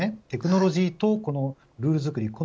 テクノロジーとルールづくり